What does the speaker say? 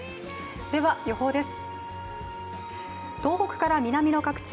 では、予報です。